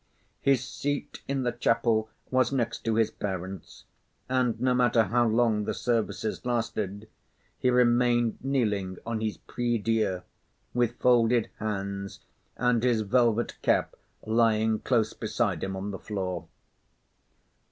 His seat in the chapel was next to his parents, and no matter how long the services lasted, he remained kneeling on his prie dieu, with folded hands and his velvet cap lying close beside him on the floor.